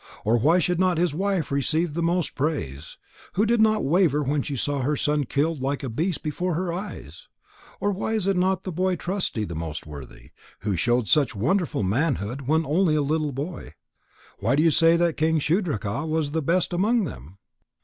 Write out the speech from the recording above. Or why should not his wife receive the most praise, who did not waver when she saw her son killed like a beast before her eyes? Or why is not the boy Trusty the most worthy, who showed such wonderful manhood when only a little boy? Why do you say that King Shudraka was the best among them?"